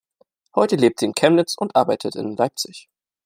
Heute lebt sie in Chemnitz und arbeitet in Leipzig.